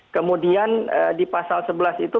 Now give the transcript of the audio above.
kemudian di pasal sebelas itu